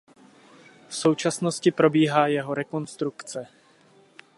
V současnosti probíhá jeho rekonstrukce.